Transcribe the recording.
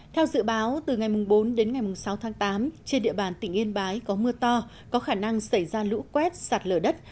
theo dự báo từ ngày bốn đến ngày sáu tháng tám trên địa bàn tỉnh yên bái có mưa to có khả năng xảy ra lũ quét sạt lở đất